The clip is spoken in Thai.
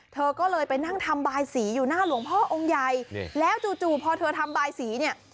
เธอก็เลยไปนั่งทำบายสีอยู่หน้าหลวงพ่อองค์ใหญ่แล้วจู่จู่พอเธอทำบายสีเนี่ย